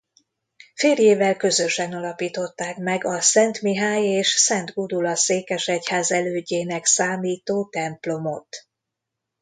Férjével közösen alapították meg a Szent Mihály- és Szent Gudula-székesegyház elődjének számító templomot.